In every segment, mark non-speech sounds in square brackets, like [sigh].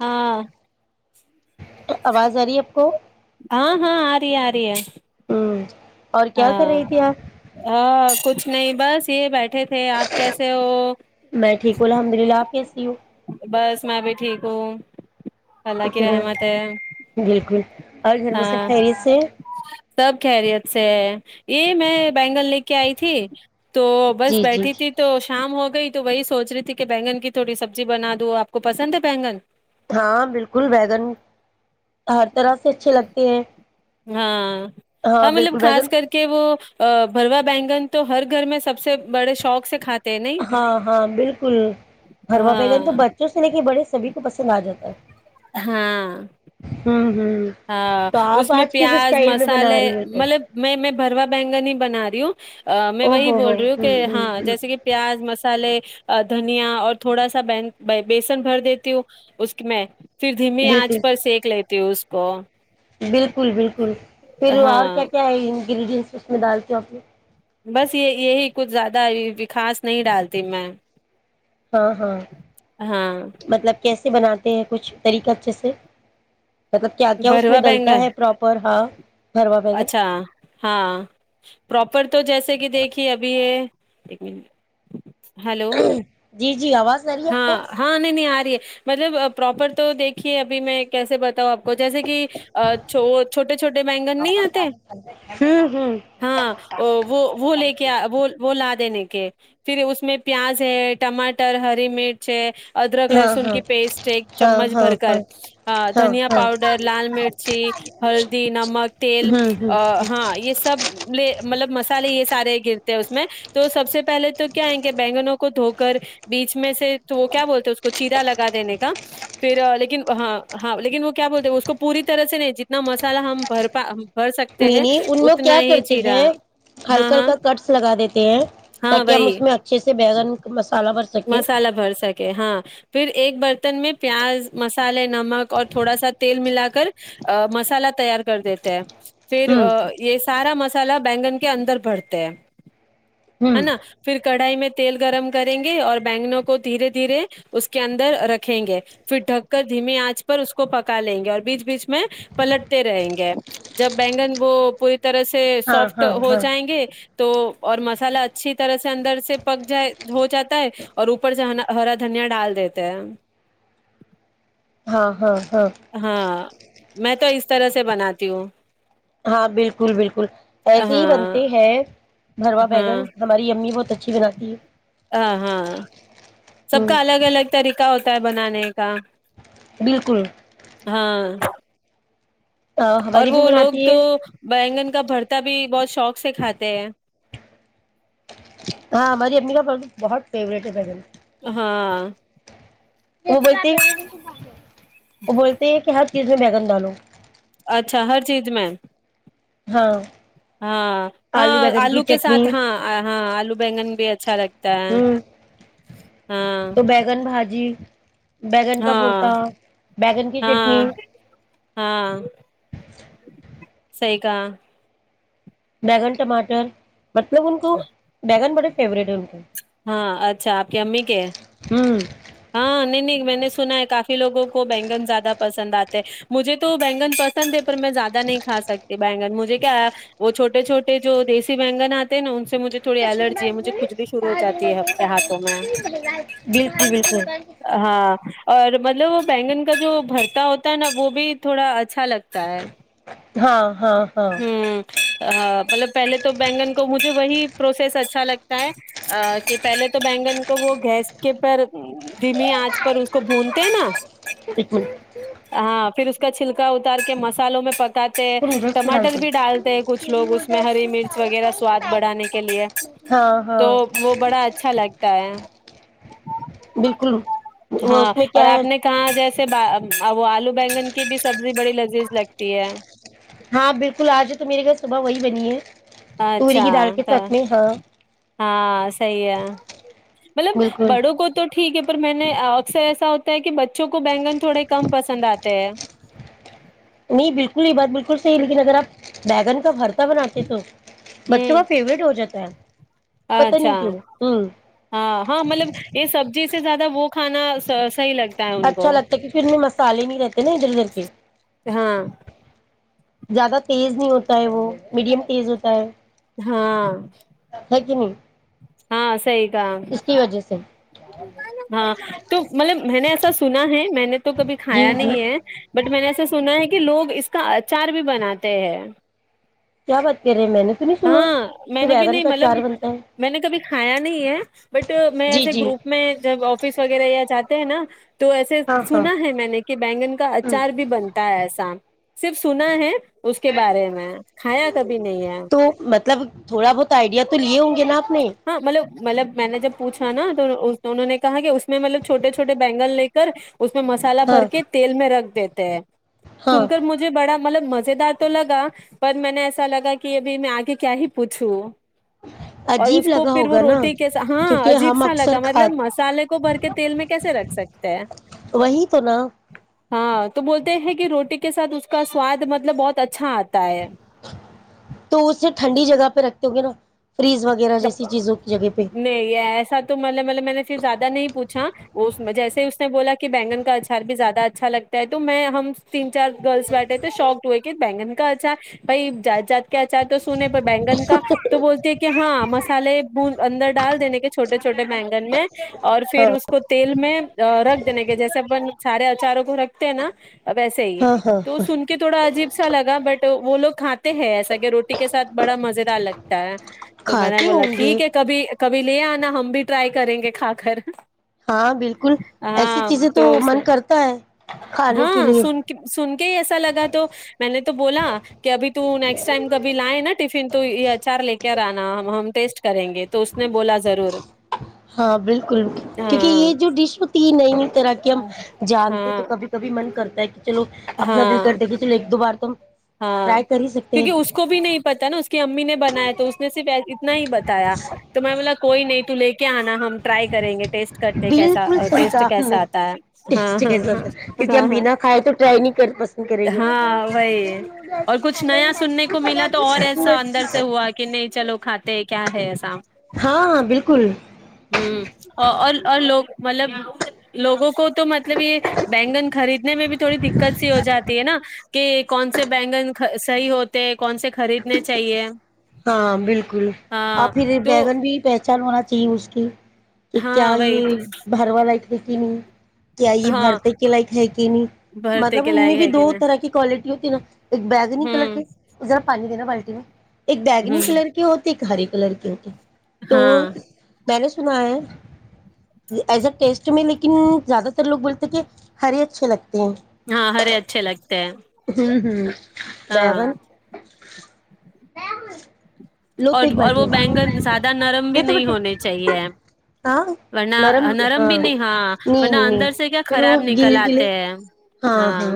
ہاں آواز آ رہی ہے آپ کو ہاں ہاں آ رہی آ رہی ہے ہوں اور کیا کر ہاں رہی تھی آپ ہاں کچھ نہیں بس یہ بیٹھ بیٹھے تھے آپ کیسے ہو و [inaudible] بس میں بھی ٹھیک ہوں ا اللہ کی طرح رحمت ہے بالکل اور گھر میں ہاں سب خیریت سے سب خیریت سے یہ میں بینگل لے کے آئی تھی تو بس جی جی بیٹھی جی تھی تو شام ہو گئی تو وہی سوچ رہی تھی کہ بینگن کی تھوڑی سبزی بنا دو آپ کو پسند ہے بینگن ہاں بالکل ویگن ہر طرح سے اچھے لگتے ہیں ہاں ہاں مطلب بالکل بیگن خاص کر کے وہ بھروا بینگن تو ہر گھر میں سب سے بڑے شوق سے کھاتے ہیں نہیں ہاں ہاں بالکل بھروا بیگن تو ہاں بچوں سے لے کے بڑے سبھی کو پسند آ جاتا ہے اچ [unintelligible] ہاں ہوں ہاں تو آپ اس میں آج کس پیاز اسٹائل میں مسالے بنا رہی ہو تو مطلب میں میں برو بگنی بن رہی میں او وہی ہو ہو بول رہی ہوں کہ ہاں ہوں جیسے کہ پیاز مسالے دھنیا اور تھوڑا سا بیسن بھر دیتی ہوں اس کی میں پھر دھیمی آنچ بالکل پر سینیک لیتے تو کو بالکل بالکل پھر اور ہاں کیا کیا ہے گرڈ اس میں دال چوپی بس یہ یہی کچھ زیادہ و خاس نہیں ڈالتی میں ہاں ہاں ہاں مطلب کیسے بناتا تے ہیں کچھ طریقہ جیسے مطلب کیا کیا اس میں بھروا ڈلتا بینگن ہے پراپر ہاں بھروا بیگن اچھا ہاں پرپ تو جیسے کہ دیکھیے ابھی یہ ایک منٹ ہلو جی جی آواز آ رہی ہے آپ ہاں کو ہاں نہیں نہیں آ مطلب پراپر تو دیکھیے ابھی میں کیسے بتاؤں آپ جیسے کہ وہ چھوٹے چھوٹے بینگن نہیں آتے ہوں ہوں ہاں وہ وہ لے کے وہ لا دینے پھر اس میں پیاز ہے ٹماٹر ہر ریی مڈ ادرک ہاں لہسن ہاں کی پیسٹ ایک ہاں چمچ ہاں بھر کر ہاں ہاں دھنیا ہاں پاؤڈر لال مرچی ہلدی نمک تیل ہوں ہوں ہاں یہ سب لے مطلب مسالے یہ سارے گرتے ہیں اس میں تو سب سے پہلے تو کیائ کہ بینگنوں کو دھو کر بیچ میں سے وہ کیا بولتے اس کو چیرا لگا دینے کا پھر لیکن ہاں ہاں لیکن وہ کیا بولتے اس کو پوری طرح سے نہیں جتنا مسالا ہم بھر پا بھر سکتے ہیں نہیں نہیں ان لوگ اتنا کیا ہی کرتے چیرا ہیں ہاں ہلکا ہاں ہلکا کٹس لگا دیتے ہیں ہاں تاکہ ہم وہی اس میں اچھے سے بیگن مسالہ بھر سکیں مسالا بھر سکے ہاں پھر ایک برتن میں پیاز مسالے نمک اور تھوڑا سا تیل ملا کر مسالا تیار کر دیتے ہیں پھر ہوں یہ سارا مسلہ سال بینگن کے اندر بھرتے ہیں ہوں پھر کڑھائی میں تیل گرم کریں گے اور بینو تو دھیرے دھیرے اس کے اندر رکھیں گے پھر ٹک کا ذمے انچ پر اس کو پکا لیں گے اور بیچ بیچ میں پلٹتے رہیں گے جب بینگن بو طرح سے ہاں سافٹ ہاں ہو ہاں جائیں گے تو اور م مسالا اچھی طرح سے اندر سے پک جائے ہو جاتا ہے اور اوپر سے ہرا دھنیا ڈال دیتے ہیں ہاں ہاں ہاں ہاں میں تو اس طرح سے بناتی ہوں ہاں بالکل بالکل ایسے ہی ہاں بنتے ہیں ہماری امی وہ اچھی بناتی ہے ہ ہاں سب ہ کا الگ الگ طریقہ کا ہوتا ہے بنانے کا بالکل ہاں اور ہماری وہ امی لوگ بناتی تو ہے بگن کا بھر ک ت بھی بہت شوق سے کھاتے ہیں [unintelligible] [inaudible] ہاں وہ بولتی ہے وہ بولتے ہیں کہ ہ چیز میں بیگن ڈالو اچھا ہر چیز میں ہاں ہاں ہاں بیگن کی آلو کے چٹنی ساتھ ہاں ہاں آلو بگن بھی اچھا لگتا ہے ہوں ہاں تو بیگن بھاجی بیگن کا بورتا ہاں بیگن کی چٹنی ہاں سی کا بیگن ٹماٹر مطلب ان کو بیگن بڑے فیوریٹ ہوتاوں ہاں اچھا کہ امی کے ہوں ہاں نہیں نہیں میں نے سنا ہے کافی لوگوں کو بینگن زیادہ پسند اتے ہیں مجھے تو بینگن پرسن پیپر میں زیادہ نہیں کھا سکتے بینگن مجھے کیا وہ چھوٹے چھوٹے جو دیسی بینگن اتے ہیں نا ان سے مجھے تھوڑی الرجی ہے مجھے کھجلی شروع ہو جاتی ہے ہاتھوں میں ب بکل بک ہاں اور مطلب بینگن کا جو بھرتا ہوتا ہے نا وہ بھی تھوڑا اچھا لگتا ہے ہاں ہاں ہاں ہوں مطلب پہلے تو بینگن کو مجھے وہی پروسیس اچھا لگتا ہے کہ پہلے تو بینگن کو وہ گیس کے پر دمی آنچ پر اس کو بھونتے ہیں نا ایک منٹ اس ہاں پھر اس کا چھلکا اتار کے مسالوں میں پک کو تہ نوڈلس میں مٹر بھی ڈالتے ہیں کچھ لوگ اس میں ہری مرچ وغیرہ سواد بڑھانے کے لیے ہاں تو ہاں وہ بڑا اچھا لگتا ہے ج بالکل وہ ہاں اس میں اور کیا ہے آپ نے کہاں جیسے وہ آلو بگن کی بھی سبزی بڑی لذیذ لگتی ہے ہاں بالکل آج تو میرے گھر صبح وہی بنی ہے توروری اچھا کی دال کے تو سات میں ہاں ہاں صی ہے مطلب بالکل بڑوں کو تو ٹھیک ہے پر میں نے اکثر ایسا ہوتا ہے کہ بچوں کو بینگن تھوڑے کم پسند آتے ہے نہیں بالکل یہ بات بالکل صیح لیکن اگر آپ بیگن کا ہرتا بناتے تو بچوں ہوں کا فیوریٹ ہو جاتا ہے پتا اچھا نہیں کیوں ہوں ہاں ہاں مطلب یہ سب جی سے زیادہ وہ کھاناح لگے اچھا لگتا ہے کیونکھر اتنے مسالے نہیں رہتے نا ادھر ادھر کے ہاں زیادہ تیز نہیں ہوتا ہے وہ میڈیم تیز ہوتا ہے ہاں ہےیک نہیں ہاں صی کا اس کی وجہ سے ہاں تو مطلب نے سنا ہے میں نے تو تو کبھی جی کھایا جی نہیں ہے بٹ میں نے ایسا سنا ہے کہ لوگ اس کا اچار بھی بناتے ہیں کیا بات کر رہ ہاں میں نے بھی نہیں مطلب اچار بنتا ہے میں نے کبھی کھایا نہیں ہے بٹ میں جی ایسے جی گروپ میں جب آفس وغیرہ یا جات نا تو ایسے ہاں ہاں سنا ہے میں نے کہ بینگن کا ہ اچار بھی بنتا ہے ایسا صرف سنا ہے اس کے بارے میں کھایا کبھی نہیں ہے تو مطلب تھوڑا بہت آئیڈیا تو لیے ہ ہاں مطلب مطلب میں نے جب پوچھا نا تو تو انہوں نے کہا کہ اس میں مطلب چھوٹے چھوٹے بینگل لے کر اس میں مسالہ بھر ہاں کے تیل میں رکھ دیتے ہیں سن ہاں کر مجھے بڑا مطلب مزے دار تو لگا پر میں نے ایسا لگا کہ ابھی میں آگے کیا ہی پوچھوں اور عجیب اس کو لگا پھر وہ ہوگا نا روٹی کیسا ہاں کیونکہ عجیب ہم سا اکثر لگا کھا مطلب مسالے کو بھر کے تیل میں کیسے رکھ سکتے ہیں وہی تو نا ہاں تو بولتے ہیں کہ روٹی کے ساتھ اس کا سواد مطلب بہت اچھا آتا ہے تو اسے ٹھنڈی جگہ پہ رکھ تگے نا فریز وغیرہ جیسی چیزوں کی جگہ پہ نہیں ایسا تو مط مطلب میں نے پھر زیادہ نہیں پوچھا وہ جیسے اس نے بولا کہ بینگن کا اچار بھی زیادہ اچھا لگتا ہے تو میں ہم تین چار گرلس بیٹھے تو شوک ہوئے کہ بینگن کا اچھار بھائی کیا چاہتا سونے پر بینگن کا تو بولتے ہاں مسالے ب اندر ڈال دینے کے چھوٹے چھوٹے بینگن میں اور ہاں پھر اس کو تیل میں رکھ دینے کے جیسے سارے اچاروں کو تے نا اب وسے ہی ہاں ہاں تو سن کے تھوڑا عجیب سا لگا بٹ وہ لوگ کھاتے ہیں ایسا کہ روٹی کے ساتھ بڑا مز دار لگتا ہے تو میں نے کھاتے بولا ہوں گے ٹھیک ہے کبھی کبھی لے آنا ہم بھی ٹرائی کریں گے کھا کر ہاں بالکل ایسی ہاں چیزیں تو من کرتا ہے کھانے کے ہاں لیے سن سن کے ہی ایسا لگا تو میں نے تو بولا کہ ابھی تو نیکسٹ ٹائم کبھی لائے نا ٹیفن تو یہ اچار لے کے ج ن ہمم ٹیسٹ کریں گے تو اس میں ہاں بالکل بکل کیونکہ ہاں یہ جو ڈش ہوتی ہے نئیئی طرح کی ہم جانتے تو ہاں کبھی کبھی من کرتا ہے کہ چلو اپنا دل کر ہاں د کہ چلو ایک دو بار تو ہاں ٹرائی کر ہی سکتے کیونکہ اس ہیں کو بھی نہیں پتا نا اس کی امی نے بنایا تو اس نے صرف ای تنا ہی بتایا تو میں بولا کوئی نہیں تو لے کے آنا ہم ٹرائی کریں گے ٹیسٹ کرتے کیسا بالکل صحیح ٹیسٹ کہا آ نے کیسا آتا ہے ہاں ٹیسٹ ہاں کیسا تھا ہاں کیونکہ ہاں ہم ہاں بنا کھائے تو ٹرائی نہیں کر پسند کریں گے ہاں وہی اور کچھ نیا سننے کو ملا تو اور ایسا اندر سے ہوا کہ نہیں چلو کھاتے کیا ہے ایسا ہاں بالکل ہوں اور اور لوگ مطلب لوگوں کو تو مطلب یہ بینگن خریدنے میں بھی تھوڑی دقت سی ہو جاتی ہے نا کہ کون سے بینگن صحیح ہوتے کون سے خریدنے چاہیے ہاں بالکل اور ہاں پھر تو بیگن بھی پہچان ہونا جی اس کی کہ کیا ہاں وہی تو یہ بھر والا لیک میں کیا یہ ہاں بھرتے کے لائک ہے کہ نہیں بھرتے مطلب کے ان میں لائق بھی ہے کہ دو نہیں طرح کی کوالٹی ہوتی ہے نا ایک بیگنی کلر ہوں کے ذرا پانی دینا بالٹی میں ایک بیگنی ہوں کلر کے ہو ایک ایک ہاری کلر کی ہوتی تو ہاں ب سنا ہے ایز اے ٹیسٹ میں لیکن زیادہ تر لوگ بولتے کہ ہرے اچھے لگتے ہیں ہاں ہرے اچھے لگتے ہیں ہوں ہوں ہاں لو تو اور ایک اور بالٹی وہ بینگن زیادہ نرم بھی دیتے نہیں بیٹے ہونے چاہیے ہاں ورنہ نرم بھی نہیں ہاں ورنہ نہیں نہیں اندر سے کیا پھر وہ خراب گل نکل گلے آتے ہیں ہاں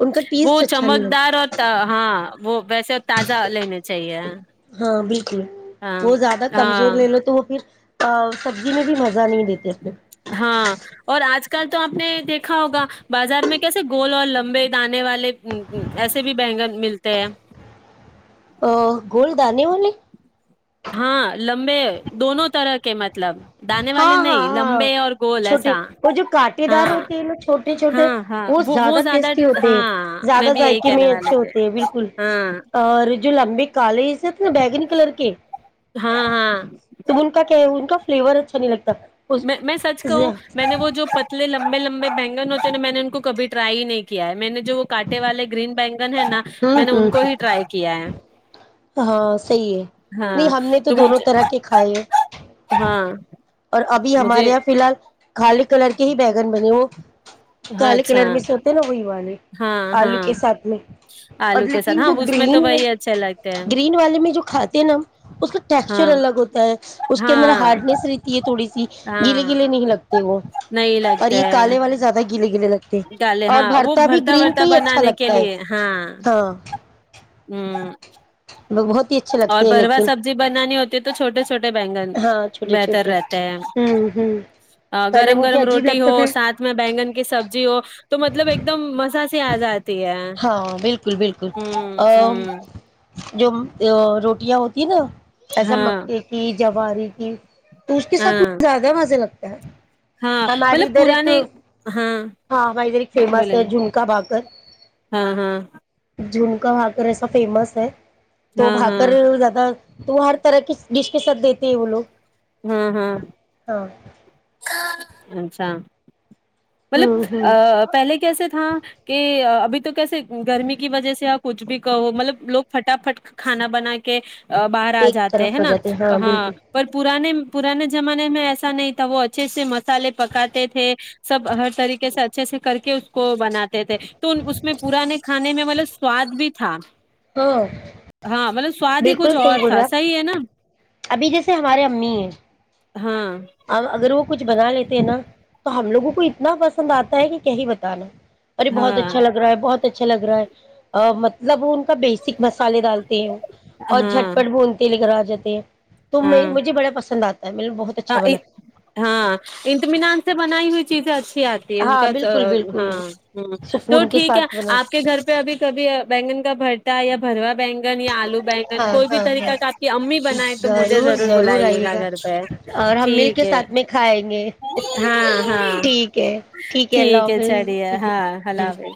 ان کا وہ ٹیسٹ اچھا نہیں چمکدار لگتا ہوتا ہاں اں وہ ویسے تازہ لینے چاہیے ہاں بالکل ہاں وہ زیادہ کمزور ہاں لے لو تو وہ پھر سبزی میں بھی مزہ نہیں دیتے اپنے ہاں اور آج کل تو آپ نے دیکھا ہوگا بازار میں کیسے گول اور لمبے دانے والے ایسے بھی بگن ملتے ہیں ا گول دان والے ہاں لمبے دونوں طرح [unintelligible] دانے والے ہاں ہاں نہیں ہاں لمبے اور گول چھوٹے ایسا اور جو کانٹے ہاں دار ہوتے ہیں ن چھوٹے چھوٹے وہ زیادہ ٹیسٹی ہوتے ہیں میں زیادہ بھی یہی ذائقے کہنے میں والے اچھے تھے ہوتے ہیں بالکل ہاں اور جو لمبے کالے سےت بیگنی کلر کے ہاں ہاں تو ان کا کیا ہے ان کا فلیور اچھا نہیں لگتا میں میں سچ کہوں اس میں نے وہ جو پتلے لگ لمبے لمبے بہگن ہوتے ن میں نے ان کو کب ٹرائی ہی نہیں کیا ہے میں نے وہ کاانٹے والے گرین بینک ہے نا ہوں میں نے ان ہوں کو ہی ٹرائی کیا ہے ہاں صحیح ہے نہیں ہاں ہم نے تو دونوں مجھے طرح کے کھائے ہیں ہاں اور ابھی مجھے ہمارے یہاں فی الحال خالی کلر کے ہی بیگن ب نہیںو ہاں کالے اچھا کلر میں سے ہوتے ہیں نا وہی والے ہاں آلو ہاں کے ساتھ میں اور آلو کے ساتھ لیکن ہاں جو اس تو گرین میں وہی اچھے لگتے ہیں گرین والے میں جو کھاتے ہیں نا ہم اس کا ٹیکسچر ہاں الگ ہوتا ہے اس کے اندر ہاں ہارڈنیس رہ تھوڑی سی گیلے ہاں گیلے نہیں لگتے وہ نہیں اور لگتے یہ کالے والے زیادہ گیل لگے ڈالے ہاں وہ بھرتا وھرتا اچھا بنانے کے لگتا ہے لیے ہاں ہاں ہ لوگ بہت ہی اچھے اور لگتے ہیں بھروا لیکن سبزی بنانی ہوتی تو چوٹے چوے بینگن ہاں چھوٹے بہتر چھوٹے رہتے ہیں ہوں ہوں پہلے گرم مجھے گرم عجیب روٹی لگتا ہو تھا ساتھ میں بینگن کی سبزی ہو تو مطلب ایک دم مساج سے آزاد ہاں بالکل بالکل ا ہ جو روٹیاں ہوتی نا ایسا مک ہاں کہ جواری کی تو اس کے ساتھ ہاں مجھے زیادہ مزہ لگتا ہے ہاں ہماری مطلب ادھر ایک پرانے ہاں ہاں ہمے ادھر ایک فیمس بولے ہے جھمکا بھااکر ہاں ہاں جھومکا واگرر ایسا فیمس ہے تو ہاں بھا کر ہاں زیادہ تو وہ ہر طرح کی ڈش کے ساتھ دیتے ہیں وہ لوگ ہوں ہوں ہاں اچھا مطلب ہوں ہوں پہلے کیسے تھا کہ تو کسے گرمی کی وجہ سے آپ کچھ بھی کہو مطلب لوگ فٹافٹ کھانا بنا کے باہر آ ایک جاتے طرف ہے ہو نا ہیں ہاں بالکل پر پرانے زمانے میں ایسا نہیں تھا وہ اچھے سے مسالے پکاتے تھے سب ہر طریقے سے اچھے سے کر کے اس کو بناتے تھے تو اس میں پرانے کھے میں مطلب سواد بھی تھا ہاں ہاں مطلب سواد ہی بالکل کچھ صحیح اور بول تھا رہا صحیح ہے نا ابھی جیسے ہمارے ارے امی ہیں ہاں اب اگر وہ کچھ بنا لیتے ہیں نا تو ہم لوگوں کو اتنا پسند آتا ہے کہ کہی بتانا اور یہ بہت ہاں اچھا لگ رہا ہے بہت اچھا لگ رہا ہے مطلب ان کا بیسک مسالے ڈالتے ہیں اور ہاں جھٹپٹ بھنتے لگا جتے ہے تم ہاں مجھے بڑا پسند آتا تمیںل بہت اچھا بنا ہاں انطمینان سے بنائی ہوئی [unintelligible] آتی ہے ان ہاں کا بالکل ہاں بالکل ہ تو سکون کے ٹھیک ہے ساتھ بنا آپ کے گھر پہ ابھی کبھی بینگن کا بھرتا ہے یا بھروا بینگا نہیں آلو ب ہاں کوئی بھی ہاں طریقہ ہاں کا آپ کی امی بنیں تو مجھے ضرور بلائیے گا گھر بیہ اور ہم مل کے ساتھ میں کھائیں گے ہاں ہاں ٹھیک ہے ٹھیک ہے اللہ حافظ چلیے ٹھیک ہے ہاں اللہ جی حافظ